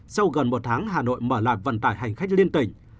sau gần một tháng hà nội mở lại vận tải hành khách liên tỉnh